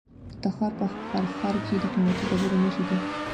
د تخار په فرخار کې د قیمتي ډبرو نښې دي.